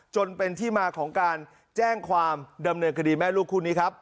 จนเป็นที่มาของการแจ้งความดำเนินคดีแม่ลูกคู่นี้ครับ